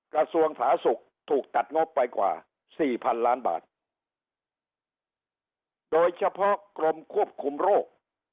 กระทรวงสาธารณสุขถูกตัดงบไปกว่าสี่พันล้านบาทโดยเฉพาะกรมควบคุมโรค